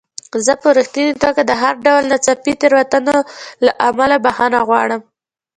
زه په رښتینې توګه د هر ډول ناڅاپي تېروتنې له امله بخښنه غواړم.